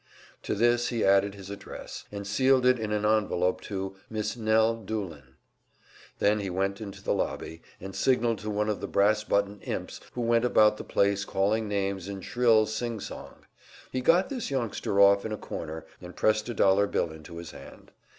To this he added his address, and sealed it in an envelope to "Miss Nell Doolin." Then he went out into the lobby, and signalled to one of the brass button imps who went about the place calling names in shrill sing song; he got this youngster off in a corner and pressed a dollar bill into his hand.